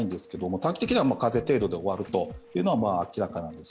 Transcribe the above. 短期的には風邪程度で終わるというのは明らかです。